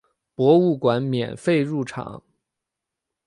博物馆免费入场。